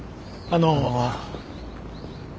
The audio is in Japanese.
あの。